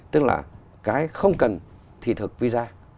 tức là cái không cần thị thực pizza